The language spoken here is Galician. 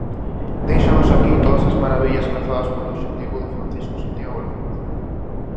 Deixamos aquí todas as marabillas cazadas polo obxectivo de Francisco Santiago López.